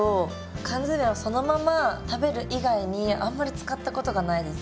缶詰をそのまま食べる以外にあんまり使ったことがないです。